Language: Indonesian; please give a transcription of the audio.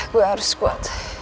gue harus kuat